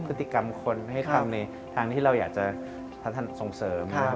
พฤติกรรมคนให้ทำในทางที่เราอยากจะส่งเสริม